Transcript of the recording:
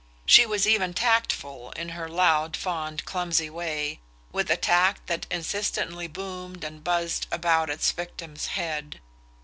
She was even tactful in her loud fond clumsy way, with a tact that insistently boomed and buzzed about its victim's head.